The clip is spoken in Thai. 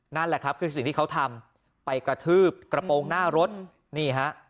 นั่นแหละครับคือสิ่งที่เขาทำไปกระทืบกระโปรงหน้ารถนี่ฮะ